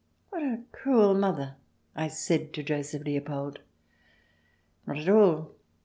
"What a cruel mother!" I said to Joseph Leopold. "Not at all.